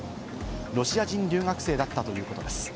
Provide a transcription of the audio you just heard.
ロシア人留学生だったということです。